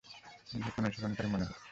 নিজেকে অনুসরণকারী মনে হচ্ছে!